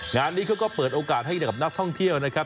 งานนี้เขาก็เปิดโอกาสให้กับนักท่องเที่ยวนะครับ